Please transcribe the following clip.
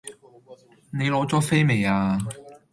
你攞左飛未呀？